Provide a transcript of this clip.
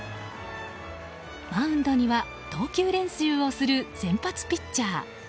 マウンドには投球練習をする先発ピッチャー。